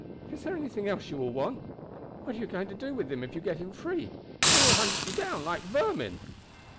"Is there anything else you will want? What are you going to do with him if you get him free? They will hunt you down like vermin."